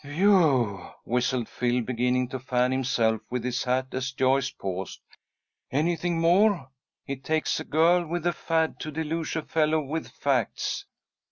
"Whew!" whistled Phil, beginning to fan himself with his hat as Joyce paused. "Anything more? It takes a girl with a fad to deluge a fellow with facts."